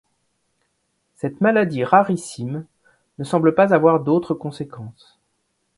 Cette maladie, rarissime, ne semble pas avoir d'autres conséquences.